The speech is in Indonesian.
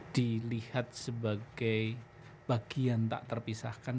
dilihat sebagai bagian tak terpisahkan